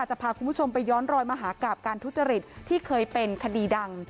จะพาคุณผู้ชมไปย้อนรอยมหากราบการทุจริตที่เคยเป็นคดีดัง